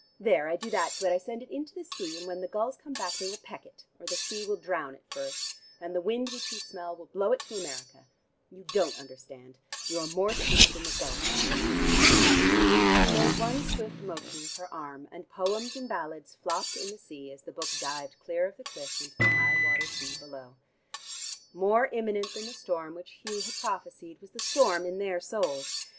There, I do that to it: I send it into the sea, and when the gulls come back they will peck it, or the sea will drown it first, and the wind which you smell will blow it to America. You don't understand: you are more stupid than the gulls." She made one swift motion with her arm, and "Poems and Ballads" flopped in the sea as the book dived clear of the cliff into the high water sea below. More imminent than the storm which Hugh had prophesied was the storm in their souls.